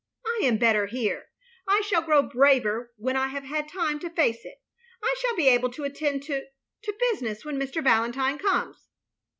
I am better here. I shall grow braver when I have had time to face it. I shall be able to attend to — to btisiness when Mr. Valentine comes.